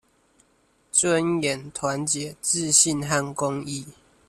尊嚴、團結、自信和公義